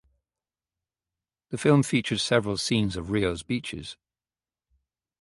The film features several scenes of Rio's beaches.